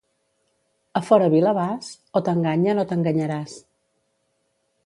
A fora vila vas? o t'enganyen o t'enganyaràs.